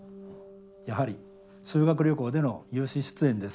やはり修学旅行での有志出演です。